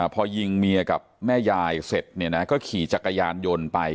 พอยิงเมียกับแม่ยายเสร็จเนี่ยนะก็ขี่จักรยานยนต์ไป